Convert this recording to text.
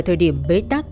thời điểm bế tắc